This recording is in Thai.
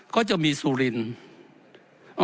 ก็จะมีสุรินทร์